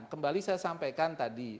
kembali saya sampaikan tadi